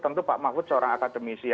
tentu pak mahfud seorang akademisi